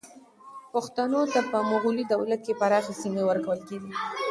پښتنو ته په مغلي دولت کې پراخې سیمې ورکول کېدې.